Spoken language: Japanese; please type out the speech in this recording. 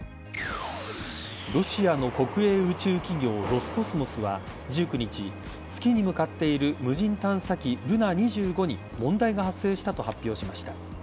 ロシアの国営宇宙企業ロスコスモスは１９日月に向かっている無人探査機ルナ２５に問題が発生したと発表しました。